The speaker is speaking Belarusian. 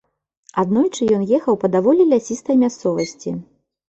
Аднойчы ён ехаў па даволі лясістай мясцовасці.